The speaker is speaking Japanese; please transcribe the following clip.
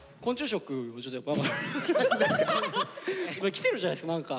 きてるじゃないっすか何か。